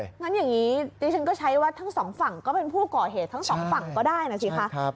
งั้นอย่างนี้ดิฉันก็ใช้ว่าทั้งสองฝั่งก็เป็นผู้ก่อเหตุทั้งสองฝั่งก็ได้นะสิคะ